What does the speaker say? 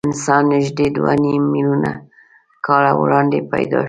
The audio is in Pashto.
انسان نږدې دوه نیم میلیونه کاله وړاندې پیدا شو.